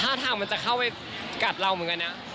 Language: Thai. ถ้าทางมันจะเข้าไปกัดเราเหมือนกันนะ